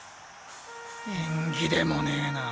縁起でもねぇな。